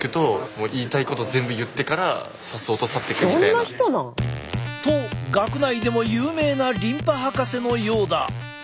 どんな人なん？と学内でも有名なリンパ博士のようだ。